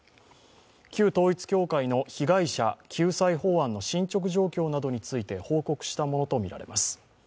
旧統一教会の被害者救済法案の進捗状況などについて報告したものとみられます。